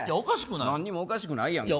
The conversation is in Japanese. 何もおかしくないやん。